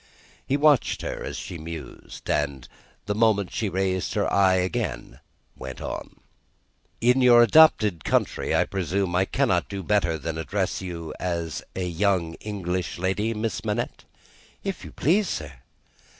He watched her as she mused, and the moment she raised her eyes again, went on: "In your adopted country, I presume, I cannot do better than address you as a young English lady, Miss Manette?" "If you please, sir."